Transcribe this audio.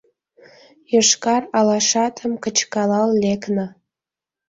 Йошкар алашатым кычкалал лекна.